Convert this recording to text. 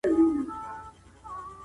بد انسان تل وېره زياتوي